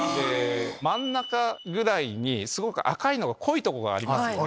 真ん中ぐらいにすごく赤いのが濃いとこがありますね。